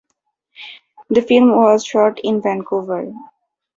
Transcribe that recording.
The film was shot in Vancouver.